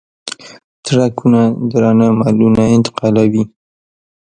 ټرکونه درانه مالونه انتقالوي.